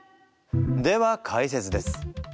では解説です。